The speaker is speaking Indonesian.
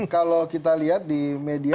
kalau kita lihat di media